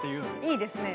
いいですね。